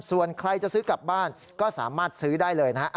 ส่วนใครจะซื้อกลับบ้านก็สามารถซื้อได้เลยนะฮะ